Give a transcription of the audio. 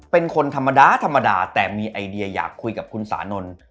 เป็นคนธรรมดาธรรมดาแต่มีไอเดียอยากคุยกับคุณสานนท์